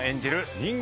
人間